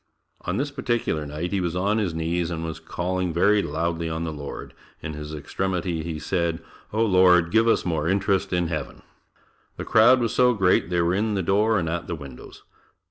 On this particular night he was on his knees and was calling very loudly on the Lord, in his extremity, he said, "Oh, Lord give us more interest in Heaven." The crowd was so great they were in the door and at the windows.